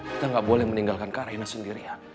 kita gak boleh meninggalkan karaina sendirian